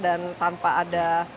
dan tanpa ada